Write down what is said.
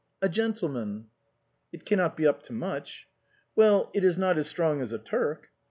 "A gentleman." " It cannot be up to much." " Well, it is not as strong as a Turk."